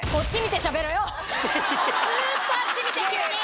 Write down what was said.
ずっとあっち見て急に！